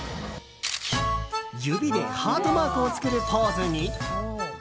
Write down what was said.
指でハートマークを作るポーズに。